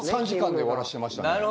３時間で終わらせてましたね。